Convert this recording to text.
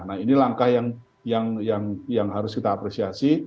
nah ini langkah yang harus kita apresiasi